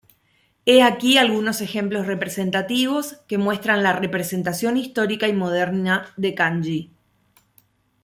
He aquí algunos ejemplos representativos que muestran la representación histórica y moderna del kanji.